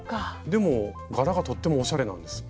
でも柄がとってもおしゃれなんです。